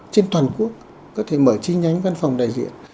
trên toàn quốc có thể mở chi nhánh văn phòng đại diện